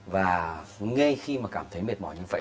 và ngay khi mà cảm thấy mệt mỏi như vậy